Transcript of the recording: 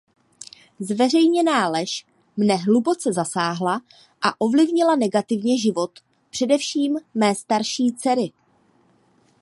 Zveřejněná lež mne hluboce zasáhla a ovlivnila negativně život především mé starší dcery.